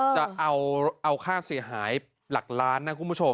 จะเอาค่าเสียหายหลักล้านนะคุณผู้ชม